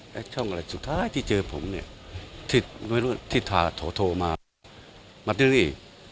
และช่องอะไรสุดท้ายที่เจอผมเนี่ยที่โทรมามาที่นี่